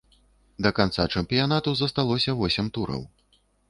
Да канца чэмпіянату засталося восем тураў.